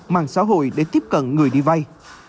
mạng xã hội để tiếp cận người đi vây